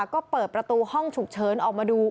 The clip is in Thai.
ก็เปิดประตูห้องฉุกเฉินออกมาดู